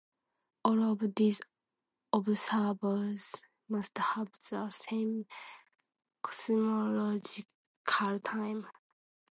All of these observers must have the same cosmological time.